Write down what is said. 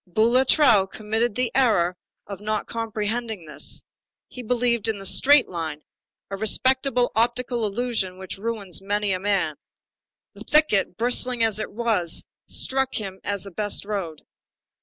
Boulatruelle committed the error of not comprehending this. He believed in the straight line; a respectable optical illusion which ruins many a man. The thicket, bristling as it was, struck him as the best road.